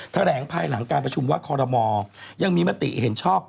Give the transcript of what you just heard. แถลงภายหลังการประชุมว่าคอรมอยังมีมติเห็นชอบ